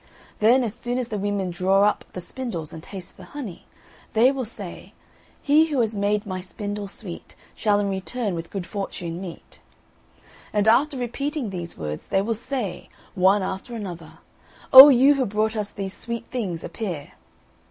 Then as soon as the women draw up the spindles and taste the honey, they will say He who has made my spindle sweet, Shall in return with good fortune meet!' And after repeating these words, they will say, one after another, 'O you who brought us these sweet things appear!'